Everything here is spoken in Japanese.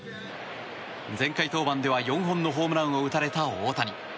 前回登板では４本のホームランを打たれた大谷。